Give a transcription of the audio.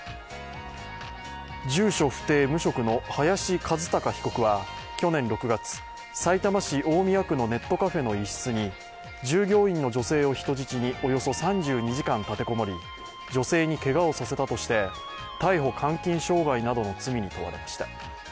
住所不定・無職の林一貴被告は去年６月、さいたま市大宮区のネットカフェの一室に従業員の女性を人質におよそ３２時間、立て籠もり、女性にけがをさせたとして逮捕監禁傷害の罪に問われました。